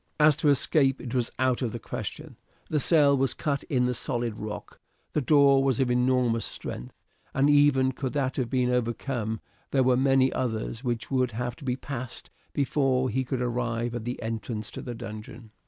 As to escape it was out of the question. The cell was cut in the solid rock. The door was of enormous strength, and even could that have been overcome, there were many others which would have to be passed before he could arrive at the entrance to the dungeon.